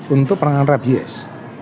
untuk penanganan rabies